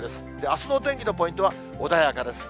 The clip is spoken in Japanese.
あすのお天気のポイントは穏やかです。